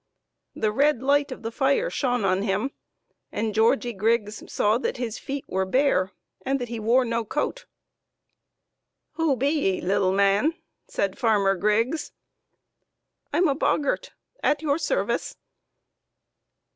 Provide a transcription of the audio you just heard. The red light of the fire shone on him, and Georgie Griggs saw that his feet were bare and that he wore no coat. " Who be 'ee, little man ?" said Farmer Griggs. " I'm a boggart, at your service."